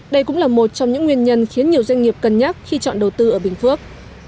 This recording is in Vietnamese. đây cũng là một trong những nguyên nhân khiến nhiều doanh nghiệp cân nhắc khi chọn đầu tư ở bình phước